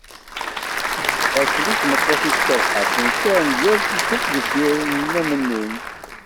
Akli d tmeṭṭut-is Cabḥa ttnekkaren-d tal tikkelt deffir n nna Mennun.